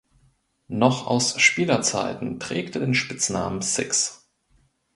Noch aus Spielerzeiten trägt er den Spitznamen Six.